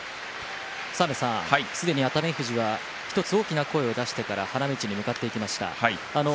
すでに熱海富士は１つ大きな声を出してから花道に向かっていきました。